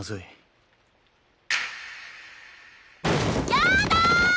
・やだ！